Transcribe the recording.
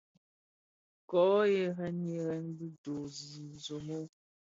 Ko ghènèn ghènèn bi döön zi somo.